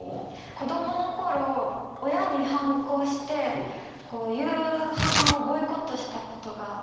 子どもの頃親に反抗して夕飯をボイコットしたことがありまして。